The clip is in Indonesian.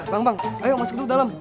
bang bang ayo masuk ke dalam